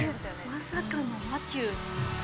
まさかのマシュー。